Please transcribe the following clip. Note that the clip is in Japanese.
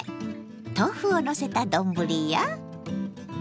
豆腐をのせた丼や。